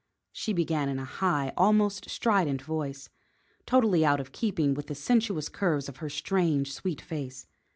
she began in a high, almost strident voice, totally out of keeping with the sensuous curves of her strange, sweet face.